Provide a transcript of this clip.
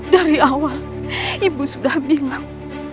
dari awal ibu sudah bilang